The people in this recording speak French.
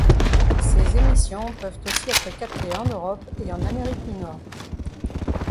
Ses émissions peuvent aussi être captées en Europe et en Amérique du Nord.